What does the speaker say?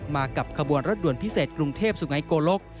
มากับขบวนรถด่วนพิเศษกรุงเทพสุไงโกลก